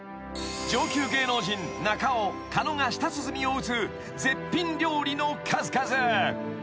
［上級芸能人中尾狩野が舌鼓を打つ絶品料理の数々］